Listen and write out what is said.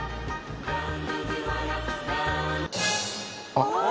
あっ！